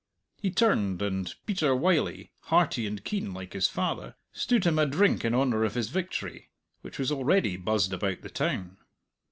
He turned, and Peter Wylie, hearty and keen like his father, stood him a drink in honour of his victory, which was already buzzed about the town.